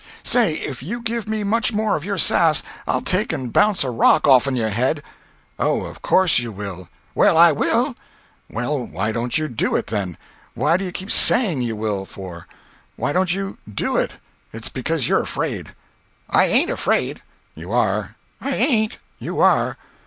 "Say—if you give me much more of your sass I'll take and bounce a rock off'n your head." "Oh, of course you will." "Well I will." "Well why don't you do it then? What do you keep saying you will for? Why don't you do it? It's because you're afraid." "I ain't afraid." "You are." "I ain't." "You are."